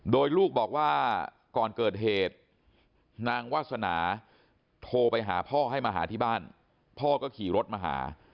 โดยลูกบอกว่าก่อนเกิดเหตุนางวาสนาโทรไปหาพ่อให้มาหาที่บ้านพ่อก็ขี่รถมาหา